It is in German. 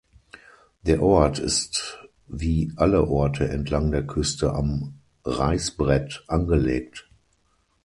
Der Ort ist wie alle Orte entlang der Küste am Reißbrett angelegt.